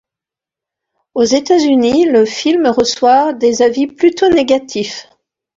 Aux États-Unis, le film reçoit des avis plutôt négatifs.